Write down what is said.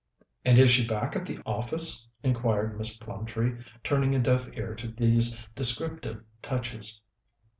"And is she back at the office?" inquired Miss Plumtree, turning a deaf ear to these descriptive touches.